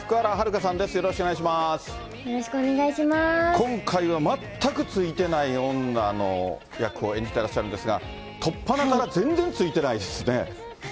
今回は全くついてない女の役を演じてらっしゃるんですが、とっぱなから全然ついてないですね。